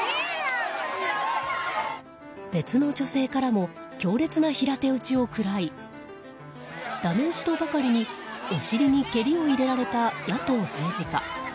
別の女性からも強烈な平手打ちをくらいダメ押しとばかりにお尻に蹴りを入れられた野党政治家。